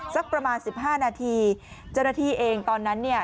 สักประมาณสิบห้านาทีเจ้าหน้าที่เองตอนนั้นเนี่ย